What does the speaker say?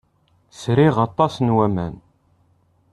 Sriɣ aṭas n waman.